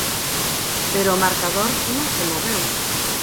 Pero o marcador non se moveu.